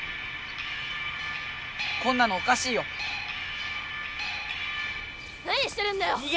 こんなのおかしいよ！